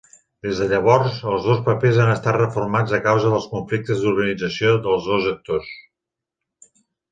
Des de llavors, els dos papers han estat reformats a causa dels conflictes d'organització dels dos actors.